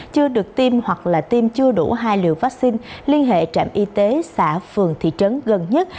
chưa được tiêm hoặc là tiêm chưa đủ hai liều vaccine liên hệ trạm y tế xã phường thị trấn gần nhất